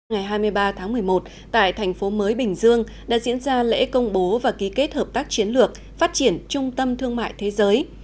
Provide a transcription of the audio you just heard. ngày hai mươi ba tháng một mươi một tại thành phố mới bình dương đã diễn ra lễ công bố và ký kết hợp tác chiến lược phát triển trung tâm thương mại thế giới